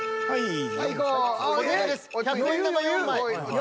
はい。